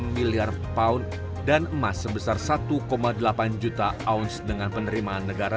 enam miliar pound dan emas sebesar satu delapan juta ounce dengan penerimaan negara